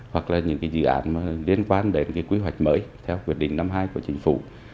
hoặc là những dự án liên quan đến quy hoạch mới theo quyết định năm hai của chính phủ